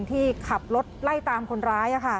ที่ขับรถไล่ตามคนร้าย